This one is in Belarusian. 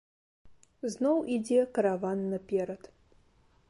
Зноў ідзе караван наперад.